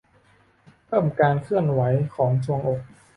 เพิ่มการเคลื่อนไหวของทรวงอก